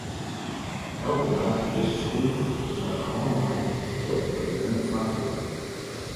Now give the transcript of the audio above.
Elke naad yn dizze skoech is mei de hân naaid troch bedreaune faklju.